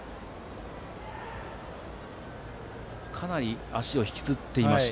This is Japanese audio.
かなり足を引きずっていました。